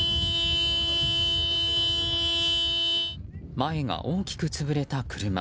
前が大きく潰れた車。